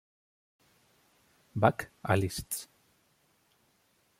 Bach a Liszt.